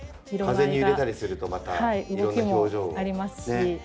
風に揺れたりするとまたいろんな表情をね。